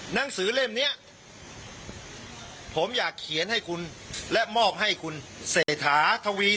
หนังสือเล่มเนี้ยผมอยากเขียนให้คุณและมอบให้คุณเศรษฐาทวี